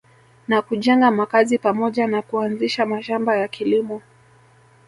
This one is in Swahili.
Na kujenga makazi pamoja na kuanzisha mashamba ya kilimo